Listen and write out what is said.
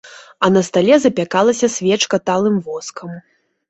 А на стале запякалася свечка талым воскам.